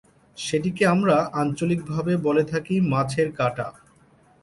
সেটিকে আমরা আঞ্চলিক ভাবে বলে থাকি মাছের কাঠা।